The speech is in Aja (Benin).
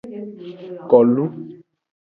Kolu.